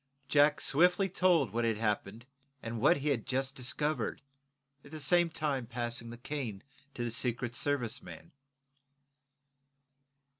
Jack swiftly told what had happened, and what he had just discovered, at the same time passing the cane to the Secret Service man.